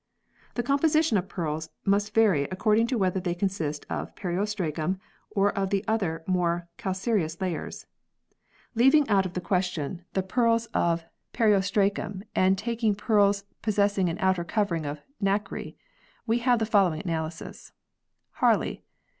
The composition of pearls must vary according to whether they consist of periostracum or of the other more calcareous layers. Leaving out of the question v] PEARLS 61 the pearls of periostracum and taking pearls pos sessing an outer covering of nacre, we have the following analyses : Harley.